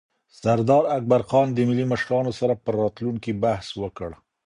سردار اکبرخان د ملي مشرانو سره پر راتلونکي بحث وکړ.